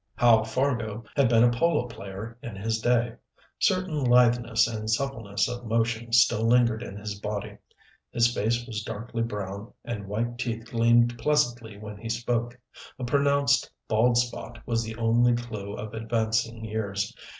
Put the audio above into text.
Hal Fargo had been a polo player in his day. Certain litheness and suppleness of motion still lingered in his body. His face was darkly brown, and white teeth gleamed pleasantly when he spoke. A pronounced bald spot was the only clew of advancing years.